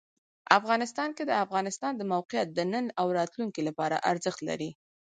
افغانستان کې د افغانستان د موقعیت د نن او راتلونکي لپاره ارزښت لري.